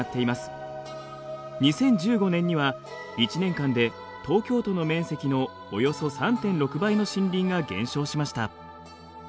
２０１５年には１年間で東京都の面積のおよそ３．６倍の森林が減少しました。